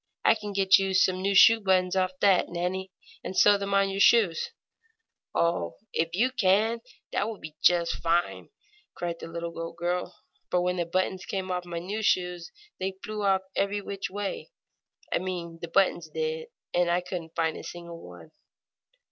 "I can get you some new shoe buttons off that, Nannie, and sew them on your shoes." "Oh, if you can, that will be just fine!" cried the little goat girl. "For when the buttons came off my new shoes they flew every which way I mean the buttons did and I couldn't find a single one."